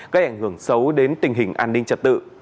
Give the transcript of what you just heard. gây ảnh hưởng xấu đến tình hình an ninh trật tự